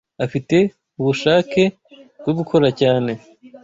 afite ubushake bwo gukora cyane